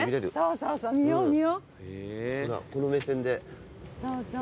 そうそう。